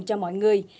cho mọi người